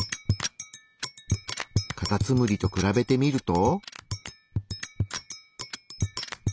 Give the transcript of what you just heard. カタツムリと比べてみると。